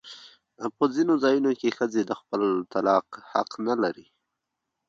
په ځینو ځایونو کې ښځې د خپل طلاق حق نه لري.